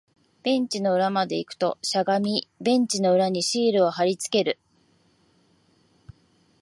ベンチの裏まで行くと、しゃがみ、ベンチの裏にシールを貼り付ける